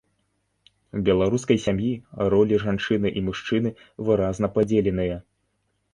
У беларускай сям'і ролі жанчыны і мужчыны выразна падзеленыя.